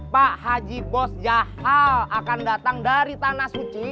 pak haji bos jahal akan datang dari tanah suci